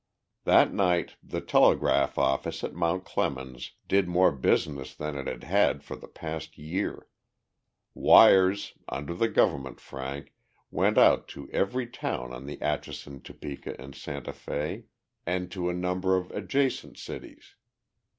That night the telegraph office at Mount Clemens did more business than it had had for the past year. Wires, under the government frank, went out to every town on the Atchinson, Topeka & Santa Fé and to a number of adjacent cities.